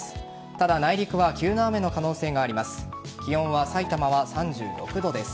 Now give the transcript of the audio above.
ただ、内陸は急な雨の可能性があります。